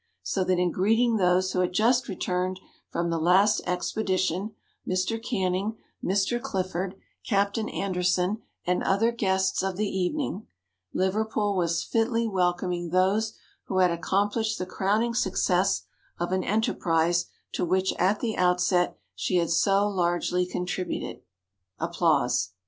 So that in greeting those who had just returned from the last expedition Mr. Canning, Mr. Clifford, Captain Anderson, and other guests of the evening Liverpool was fitly welcoming those who had accomplished the crowning success of an enterprise to which at the outset she had so largely contributed.